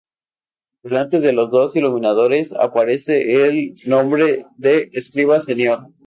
Delante de los dos iluminadores, aparece el nombre del escriba, Senior.